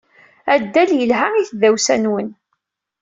Addal yelha i tdawsa-nwen.